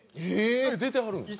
出てはるんですか？